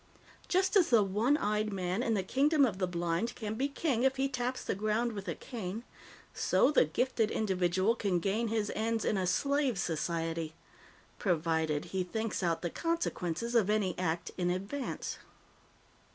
Just as the one eyed man in the kingdom of the blind can be king if he taps the ground with a cane, so the gifted individual can gain his ends in a slave society provided he thinks out the consequences of any act in advance.